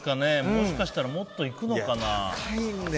もしかしたらもっといくのかな。